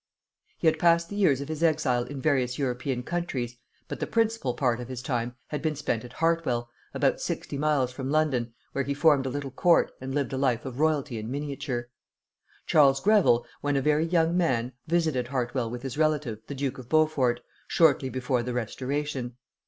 He had passed the years of his exile in various European countries, but the principal part of his time had been spent at Hartwell, about sixty miles from London, where he formed a little court and lived a life of royalty in miniature. Charles Greville, when a very young man, visited Hartwell with his relative, the Duke of Beaufort, shortly before the Restoration.